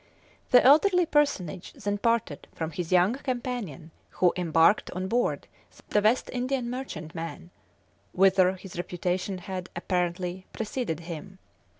The elderly personage then parted from his young companion, who embarked on board the West Indian merchantman, whither his reputation had, apparently, preceded him.